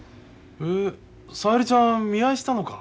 へえ小百合ちゃん見合いしたのか。